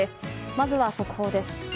まずは速報です。